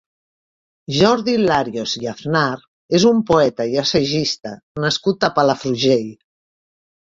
Jordi Larios i Aznar és un poeta i assagista nascut a Palafrugell.